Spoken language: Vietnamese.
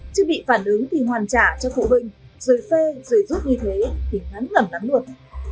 chứ bị phản ứng thì hoàn trả cho phụ bệnh rồi phê rồi rút như thế thì ngắn ngẩm lắm luôn